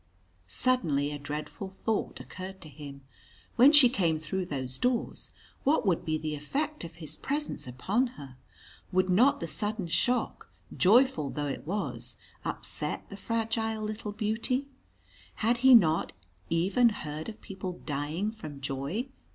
Suddenly a dreadful thought occurred to him. When she came through those doors, what would be the effect of his presence upon her? Would not the sudden shock, joyful though it was, upset the fragile little beauty? Had he not even heard of people dying from joy?